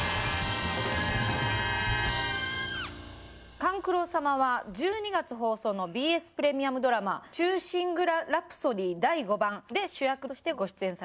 勘九郎様は１２月放送のＢＳプレミアムドラマ「忠臣蔵狂詩曲Ｎｏ．５」で主役としてご出演されます。